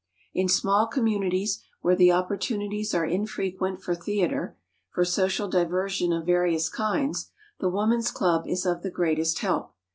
In small communities where the opportunities are infrequent for theater, for social diversion of various kinds, the woman's club is of the greatest help.